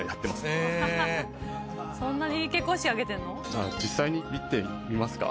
じゃあ実際に見てみますか？